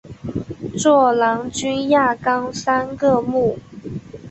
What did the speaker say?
座囊菌亚纲三个目。